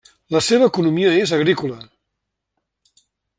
La seva economia és agrícola.